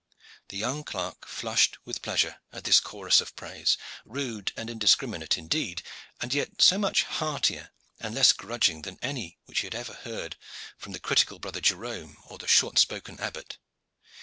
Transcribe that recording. The young clerk flushed with pleasure at this chorus of praise, rude and indiscriminate indeed, and yet so much heartier and less grudging than any which he had ever heard from the critical brother Jerome, or the short spoken Abbot.